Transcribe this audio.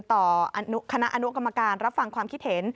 คณะอนุกรรมการรับฟังความคิดเห็น